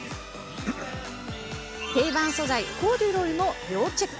定番素材、コーデュロイも要チェック。